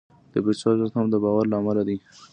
د پیسو ارزښت هم د باور له امله دی.